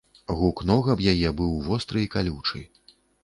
Гук ног аб яе быў востры і калючы.